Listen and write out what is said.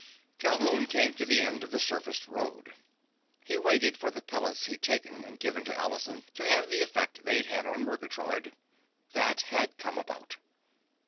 Calhoun came to the end of the surfaced road. He'd waited for the pellets he'd taken and given to Allison to have the effect they'd had on Murgatroyd. That had come about.